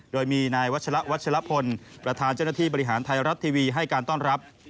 โดยมีนายวัชละวัชลพลประธานเจ้าหน้าที่บริหารไทยรัฐทีวีให้การต้อนรับ